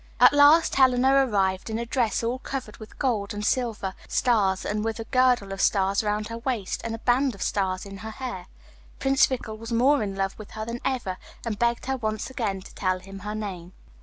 At last Helena arrived in a dress all covered with gold and silver stars, and with a girdle of stars round her waist, and a band of stars in her hair. Prince Fickle was more in love with her than ever, and begged her once again to tell him her name.